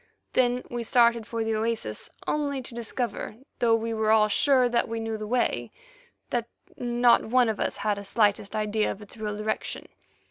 Then we started for the oasis, only to discover, though we were all sure that we knew the way, that not one of us had a slightest idea of its real direction.